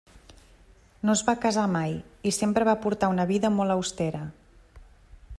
No es va casar mai i sempre va portar una vida molt austera.